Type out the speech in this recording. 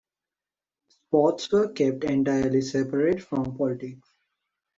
Sports were kept entirely separate from politics.